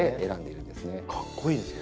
かっこいいですね。